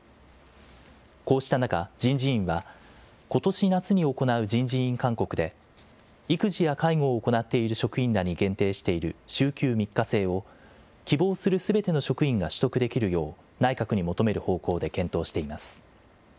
こうした中、人事院はことし夏に行う人事院勧告で、育児や介護を行っている職員らに限定している週休３日制を、希望するすべての職員が取得できるよう、内閣に求める方向で検討しています。